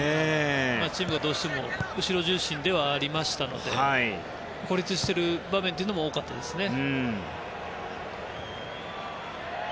チームはどうしても後ろ重心ではありましたので孤立している場面も多かったですね。